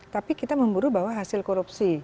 tapi kita memburu bahwa hasil korupsi